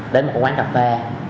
đến một quán cà phê